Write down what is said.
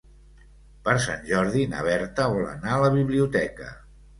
Per Sant Jordi na Berta vol anar a la biblioteca.